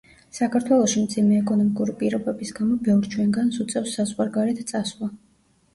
საქართველოში მძიმე ეკონომიკური პირობების გამო ბევრ ჩვენგანს უწევს საზღვარგარეთ წასვლა.